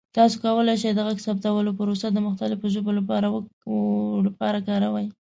تاسو کولی شئ د غږ ثبتولو پروسه د مختلفو ژبو لپاره کاروئ.